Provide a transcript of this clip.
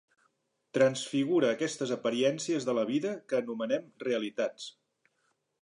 Transfigure aquestes apariències de la vida que anomenem realitats